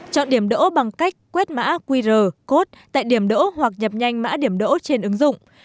chọn điểm đỗ bằng cách quét mã qr code tại điểm đỗ hoặc nhập nhanh mã điểm đỗ trên ứng dụng